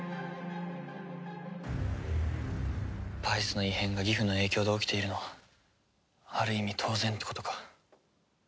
バイスの異変がギフの影響で起きているのはある意味当然ってことか。